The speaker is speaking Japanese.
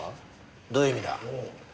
どういう意味だ？